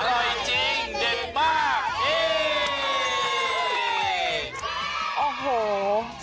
อร่อยจริงเด็ดมาก